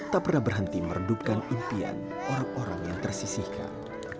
tak pernah berhenti meredupkan impian orang orang yang tersisihkan